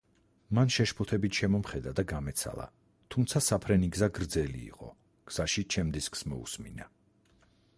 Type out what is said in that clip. მან შეშფოთებით შემომხედა და გამეცალა, თუმცა საფრენი გზა გრძელი იყო, გზაში ჩემს დისკს მოუსმინა.